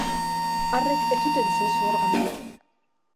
Arrek ez zuten sexu organorik.